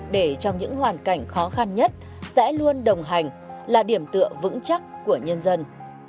để trong những hoàn cảnh khó khăn nhất sẽ luôn đồng hành là điểm tựa vững chắc của nhân dân